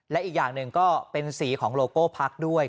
และอีกอย่างหนึ่งก็เป็นสีของโลโก้พักด้วย